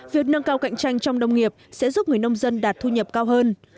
việc nâng cao cạnh tranh trong nông nghiệp sẽ giúp người nông dân đạt thu nhập cao hơn